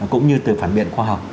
cũng như từ phản biện khoa học